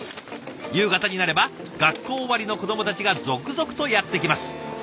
夕方になれば学校終わりの子どもたちが続々とやって来ます。